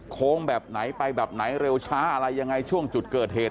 โค้งแบบไหนไปแบบไหนเร็วช้าอะไรยังไงช่วงจุดเกิดเหตุ